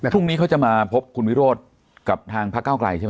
พรุ่งนี้เขาจะมาพบคุณวิโรธกับทางพระเก้าไกลใช่ไหม